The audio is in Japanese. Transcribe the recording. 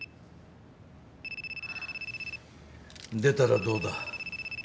出たらどうだ？